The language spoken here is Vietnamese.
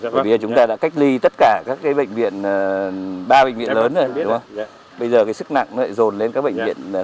bây giờ chúng ta đã cách ly tất cả các bệnh viện ba bệnh viện lớn rồi đúng không